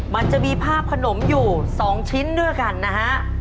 มันจะมีภาพขนมอยู่๒ชิ้นด้วยกันนะฮะ